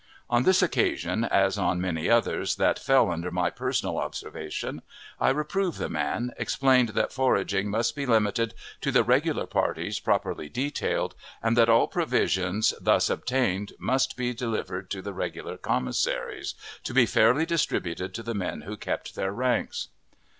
On this occasion, as on many others that fell under my personal observation, I reproved the man, explained that foraging must be limited to the regular parties properly detailed, and that all provisions thus obtained must be delivered to the regular commissaries, to be fairly distributed to the men who kept their ranks.